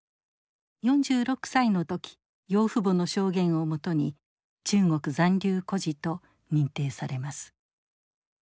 ４６歳の時養父母の証言をもとに中国残留孤児と認定されます。